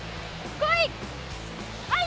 来い！